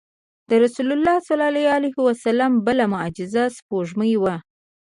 د رسول الله صلی الله علیه وسلم بله معجزه سپوږمۍ وه.